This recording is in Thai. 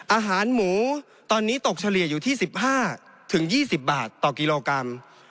อาหารหมูตอนนี้ตกเฉลี่ยอยู่ที่๑๕๒๐บาทต่อกิโลกรัม